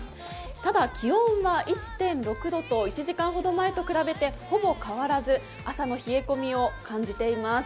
ただ気温は１．６度と１時間ほど前と比べてほぼ変わらず、朝の冷え込みを感じています。